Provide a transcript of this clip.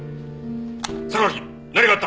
榊何があった？